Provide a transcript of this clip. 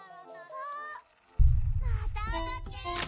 あっまたおどってる！